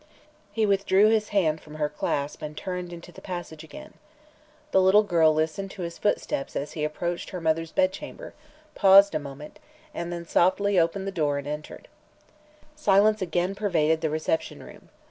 He withdrew his hand from her clasp and turned into the passage again. The girl listened to his footsteps as he approached her mother's bedchamber, paused a moment, and then softly opened the door and entered. Silence again pervaded the reception room.